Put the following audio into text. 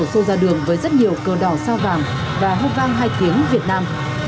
có đường với rất nhiều cơ đỏ sao vàng và hộp vang hai tiếng việt nam